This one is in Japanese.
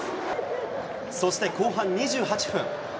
そして、後半２８分。